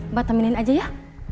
mbak temenin aja ya